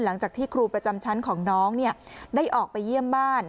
หลังจากที่ครูประจำชั้นของน้องได้ออกไปเยี่ยมบ้าน